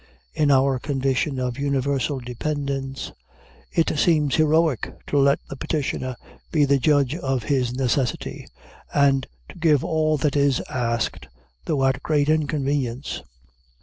In our condition of universal dependence, it seems heroic to let the petitioner be the judge of his necessity, and to give all that is asked, though at great inconvenience.